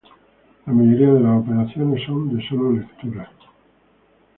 La mayoría de operaciones son de solo lectura.